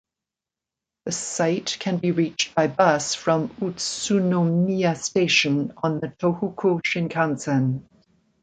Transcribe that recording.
The site can be reached by bus from Utsunomiya Station on the Tohoku Shinkansen.